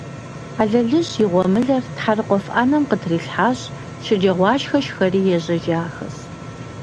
Хьэлэлыжь и гъуэмылэр тхьэрыкъуэф Ӏэнэм къытрилъхьащ, шэджагъуашхэ шхэри ежьэжахэщ .